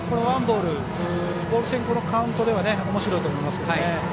ボール先行のカウントではおもしろいと思いますけどね。